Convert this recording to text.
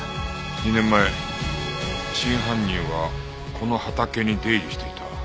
２年前真犯人はこの畑に出入りしていた。